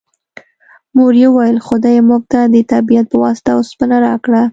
مور یې وویل خدای موږ ته د طبیعت په واسطه اوسپنه راکړه